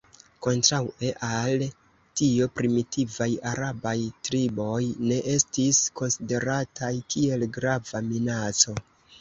Kontraŭe al tio primitivaj arabaj triboj ne estis konsiderataj kiel grava minaco.